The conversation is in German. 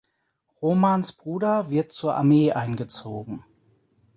Romans Bruder wird zur Armee eingezogen.